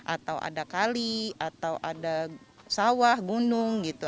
atau ada kali atau ada sawah gunung gitu